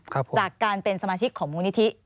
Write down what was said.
จากการเป็นสมาชิกของมูลนิธิ